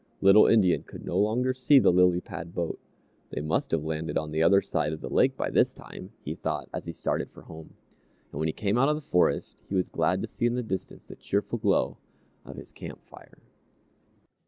Little Indian could no longer see the lily pad boat. "They must have landed on the other side of the lake by this time," he thought, as he started for home, and when he came out of the forest he was glad to see in the distance the cheerful glow of his camp fire.